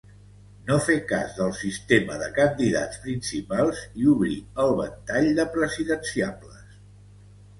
No fer cas del sistema de candidats principals i obrir el ventall de presidenciables.